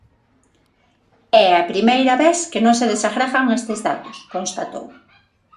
"É a primeira vez que non se desagregan estes datos", constatou.